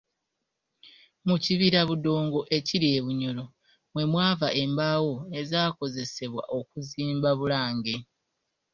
Mu kibira Budongo ekiri e Bunyoro mwe mwava embaawo ezaakozesebwa okuzimba Bulange.